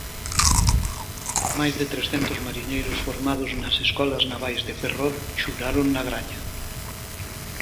Máis de trescentos mariñeiros formados nas escolas navais de Ferrol xuraron na Graña.